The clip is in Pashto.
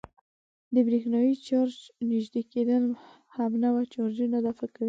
د برېښنايي چارج نژدې کېدل همنوع چارجونه دفع کوي.